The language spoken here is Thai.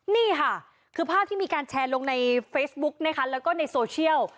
นี่ค่ะคือภาพที่มีการแชร์ลงในเฟซบุ๊กนะคะแล้วก็ในโซเชียล